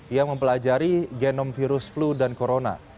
ia mempelajari genom virus flu dan corona